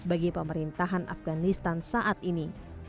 bagi pemerintahan afganistan saat ini